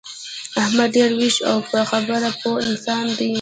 احمد ډېر ویښ او په خبره پوه انسان دی.